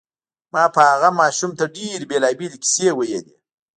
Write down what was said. ما به هغه ماشوم ته ډېرې بېلابېلې کیسې ویلې